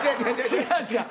違う違う。